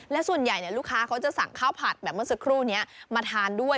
และส่วนใหญ่ลูกค้าเขาจะสั่งข้าวผัดแบบเมื่อสักครู่นี้มาทานด้วย